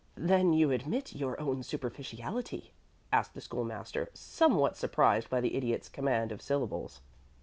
"Then you admit your own superficiality?" asked the School master, somewhat surprised by the Idiot's command of syllables.